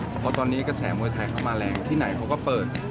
เพราะตอนนี้กระแสมวยไทยเข้ามาแรงที่ไหนเขาก็เปิด